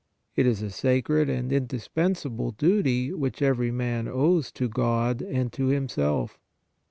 It is a sacred and indispensable duty which every man owes to God and to himself.